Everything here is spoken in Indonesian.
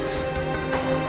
dia juga menangis